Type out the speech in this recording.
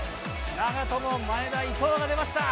長友、前田、伊東が出ました。